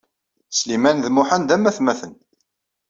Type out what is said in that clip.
Sliman d Muḥend am atmaten.